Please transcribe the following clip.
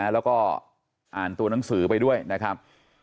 แล้วก็อ่านตัวหนังสือไปด้วยนะครับ